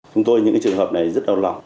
chúng tôi những trường hợp này rất đau lòng